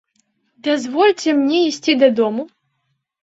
Дазвольце мне ісці дадому?